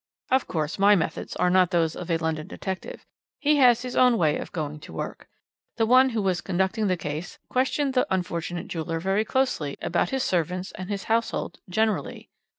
Of course, my methods are not those of a London detective; he has his own way of going to work. The one who was conducting this case questioned the unfortunate jeweller very closely about his servants and his household generally.